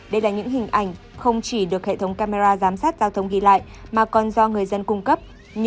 đây là những hình ảnh không chỉ được hệ thống camera giám sát giao thông ghi lại mà còn do người dân cung cấp